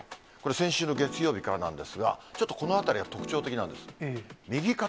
先週の月曜日からなんですが、ちょっとこのあたりが特徴的なんです。